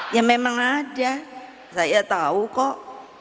ya memang ada saya tahu kok